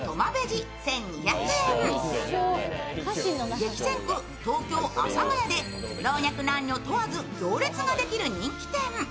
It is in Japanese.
激戦区、東京・阿佐ヶ谷で老若男女問わず行列ができる人気店。